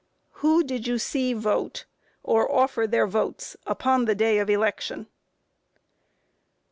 Q. Who did you see vote, or offer their votes upon the day of election?